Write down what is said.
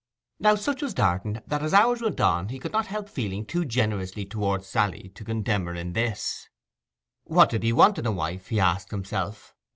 Now, such was Darton, that as hours went on he could not help feeling too generously towards Sally to condemn her in this. What did he want in a wife? he asked himself.